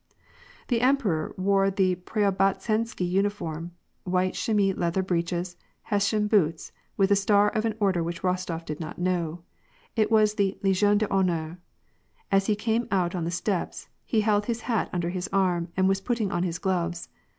The emperor wore the Preobrazhensky uniform, white chsr mois leather breeches, Hessian boots, with the star of an order which Eostof did not know. It was the Legion d^Honneur. As he came out on the steps, he held his hat under his arm and was putting on his gloves.